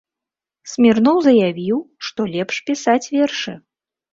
Смірноў заявіў, што лепш пісаць вершы.